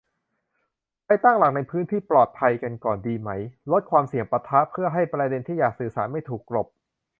ไปตั้งหลักในพื้นที่ปลอดภัยกันก่อนดีไหม ลดความเสี่ยงปะทะ เพื่อให้ประเด็นที่อยากสื่อสารไม่ถูกกลบ